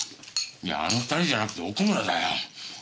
いやあの２人じゃなくて奥村だよ。